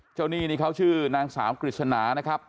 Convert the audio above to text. หนี้นี่เขาชื่อนางสาวกฤษณานะครับ